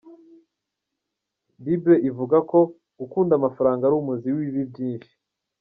Bible ivuga ko "gukunda amafaranga ari umuzi w’ibibi byinshi".